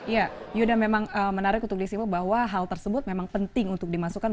ya yuda memang menarik untuk disimpul bahwa hal tersebut memang penting untuk dimasukkan